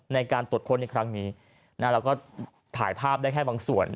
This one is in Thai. ในการตรวจค้นในครั้งนี้เราก็ถ่ายภาพได้แค่บางส่วน